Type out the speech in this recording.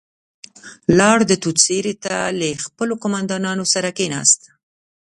لاړ، د توت سيورې ته له خپلو قوماندانانو سره کېناست.